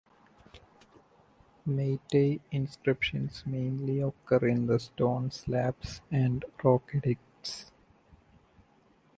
Meitei inscriptions mainly occur in the stone slabs and rock edicts.